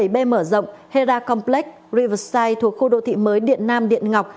b mở rộng hera complex riverside thuộc khu đô thị mới điện nam điện ngọc